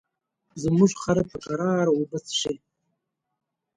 زموږ خر په کراره اوبه څښي.